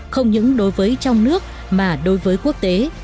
không những đối với trong nước mà đối với quốc tế